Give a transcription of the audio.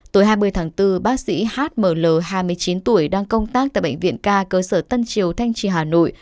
tối hai mươi tháng bốn bác sĩ h m l hai mươi chín tuổi đang công tác tại bệnh viện k cơ sở tân triều thanh trì hà nội